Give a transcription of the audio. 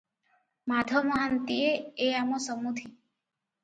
ମାଧ ମହାନ୍ତିଏ ଏ ଆମ ସମୁଧି ।